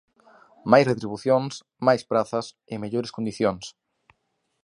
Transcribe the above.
Máis retribucións, máis prazas e mellores condicións.